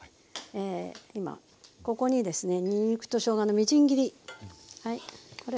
今ここにですねにんにくとしょうがのみじん切り。